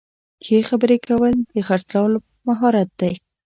ښه خبرې کول د خرڅلاو مهارت دی.